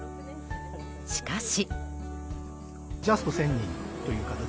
しかし。